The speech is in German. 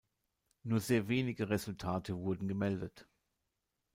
Nur sehr wenige Resultate wurden gemeldet.